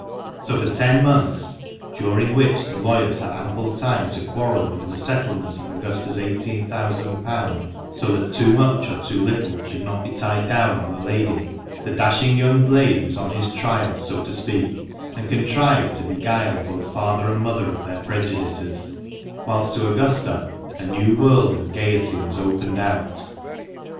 So for ten months (during which the lawyers had ample time to quarrel over the settlement of Augusta's £18,000, so that too much or too little should not be tied down on the lady) the dashing young blade was on his trial, so to speak, and contrived to beguile both father and mother of their prejudices; whilst to Augusta a new world of gaiety was opened out.